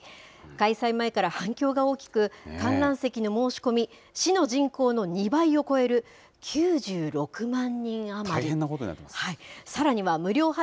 開催前から反響が大きく、観覧席の申し込み、市の人口の２倍を超える９６万人余り。